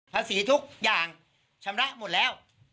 ทุกอย่างชำระหมดแล้ว